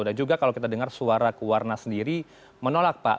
dan juga kalau kita dengar suara kewarna sendiri menolak pak